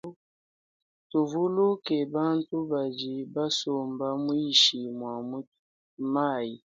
Tuvuluke bantu badi basomba mwinshi mwa mayi.